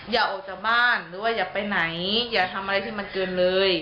อย่าออกจากบ้านหรือว่าอย่าไปไหนอย่าทำอะไรที่มันเกินเลย